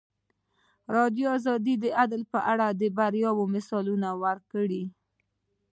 ازادي راډیو د عدالت په اړه د بریاوو مثالونه ورکړي.